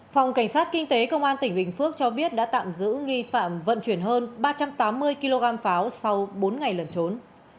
phòng cảnh sát kinh tế công an tỉnh bình phước cho biết đã tạm giữ nghi phạm vận chuyển hơn ba trăm tám mươi kg pháo sau bốn ngày lẩn trốn